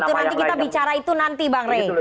itu nanti kita bicara itu nanti bang rey